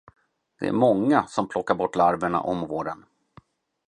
Det är så många, som plockar bort larverna om våren.